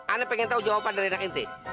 ane pengen tau jawaban dari anak ente